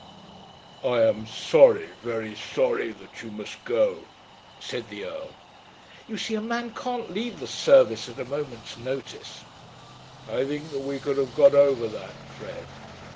"I am sorry, very sorry, that you must go," said the Earl. "You see a man can't leave the service at a moment's notice." "I think that we could have got over that, Fred."